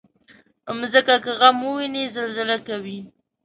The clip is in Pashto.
مځکه که غم وویني، زلزله کوي.